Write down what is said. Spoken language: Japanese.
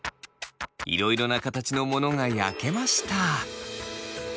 いろいろな形のものが焼けました。